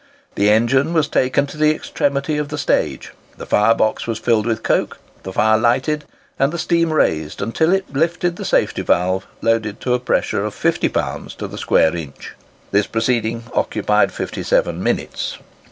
The engine was taken to the extremity of the stage, the fire box was filled with coke, the fire lighted, and the steam raised until it lifted the safety valve loaded to a pressure of 50 pounds to the square inch. This proceeding occupied fifty seven minutes.